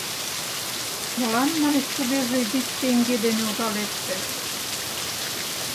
— Молан, манеш, тугеже вич теҥге дене ужалетше?